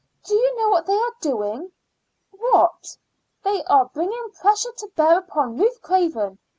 "Do you know what they are doing?" "What?" "They are bringing pressure to bear upon Ruth Craven.